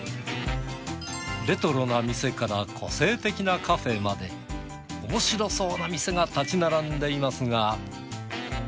レトロな店から個性的なカフェまでおもしろそうな店が立ち並んでいますが。